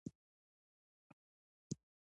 که مېخ وي نو تابلو نه لویږي.